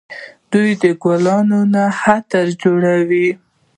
دوی د ګلونو څخه عطر جوړوي.